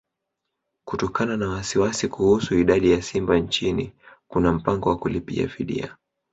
Kutokana na wasiwasi kuhusu idadi ya simba nchini kuna mpango wa kulipa fidia